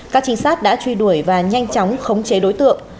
các trinh sát đã truy đuổi và nhanh chóng khống chế đối tượng